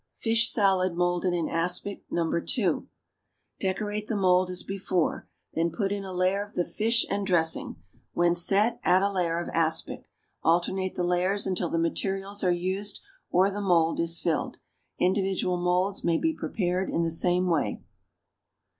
=Fish Salad Moulded in Aspic, No. 2.= Decorate the mould as before; then put in a layer of the fish and dressing; when set, add a layer of aspic; alternate the layers until the materials are used or the mould is filled. Individual moulds may be prepared in the same way.